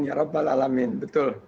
ya rabbal alamin betul